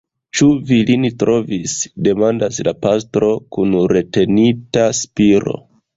Ĉu vi lin trovis?demandas la pastro kun retenita spiro.